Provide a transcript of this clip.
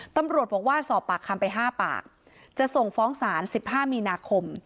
ตำรวจบอกว่าสอบปากคำไป๕ปากจะส่งฟ้องศาล๑๕มีนาคม